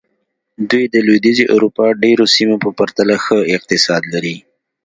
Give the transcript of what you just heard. دوی د لوېدیځې اروپا ډېرو سیمو په پرتله ښه اقتصاد لري.